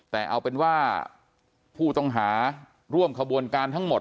แต่เอาเป็นว่าผู้ต้องหาร่วมขบวนการทั้งหมด